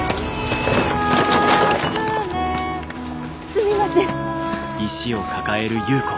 すみません。